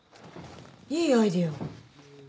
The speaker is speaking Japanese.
いいアイデア。